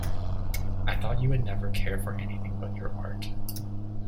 I thought you would never care for anything but your art.